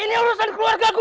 ini urusan keluarga gua